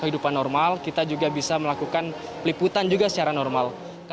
kehidupan normal kita juga bisa melakukan peliputan juga secara normal